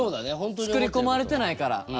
作り込まれてないからある意味。